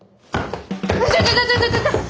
ちょちょちょちょ！